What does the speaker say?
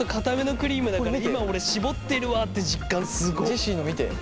ジェシーの見て。